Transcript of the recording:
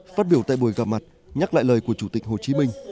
phát biểu tại buổi gặp mặt nhắc lại lời của chủ tịch hồ chí minh